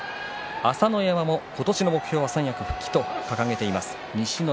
朝乃山は今年の目標は三役復帰と掲げています。